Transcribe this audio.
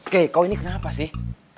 key kau ini kenapa sih